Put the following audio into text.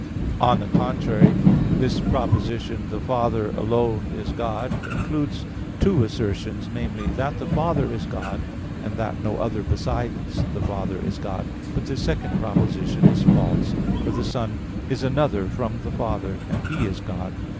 On the contrary, This proposition "The Father alone is God" includes two assertions namely, that the Father is God, and that no other besides the Father is God. But this second proposition is false, for the Son is another from the Father, and He is God.